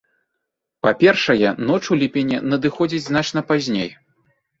Па-першае, ноч у ліпені надыходзіць значна пазней.